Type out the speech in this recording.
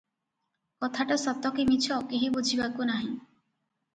କଥାଟା ସତ କି ମିଛ, କେହି ବୁଝିବାକୁ ନାହିଁ ।